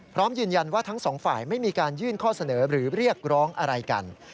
พร้อมยืนยันว่าทั้งสองฝ่ายไม่มีการยื่นข้อเสนอหรือเรียกร้องอะไรกัน